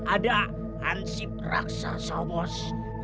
ada hansip raksasa bos